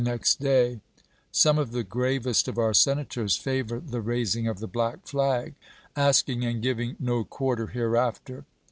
next day :" Some of the gravest of our senators favor the raising of the black flag, asking and giving no quarter hereafter."